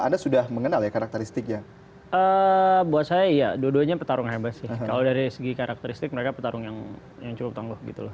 buat saya ya dua duanya petarung hebat sih kalau dari segi karakteristik mereka petarung yang cukup tangguh gitu loh